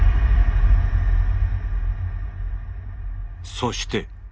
そして。